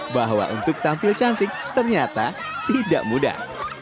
bahwa untuk tampil cantik ternyata tidak mudah